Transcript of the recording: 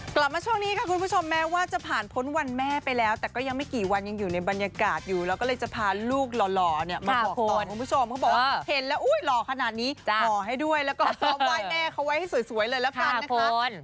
กลับมาช่วงนี้ค่ะคุณผู้ชมแม้ว่าจะผ่านพ้นวันแม่ไปแล้วแต่ก็ยังไม่กี่วันยังอยู่ในบรรยากาศอยู่แล้วก็เลยจะพาลูกหล่อเนี่ยมาขอพรคุณผู้ชมเขาบอกว่าเห็นแล้วอุ้ยหล่อขนาดนี้ห่อให้ด้วยแล้วก็ซ้อมไหว้แม่เขาไว้ให้สวยเลยแล้วกันนะคะ